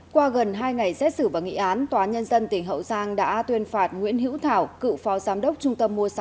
qua gần hai ngày xét xử và nghị án tòa nhân dân tỉnh hậu giang đã tuyên phạt nguyễn hữu thảo cựu phó giám đốc trung tâm mua sắm